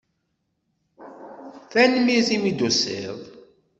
Tanemmirt imi d-tusiḍ.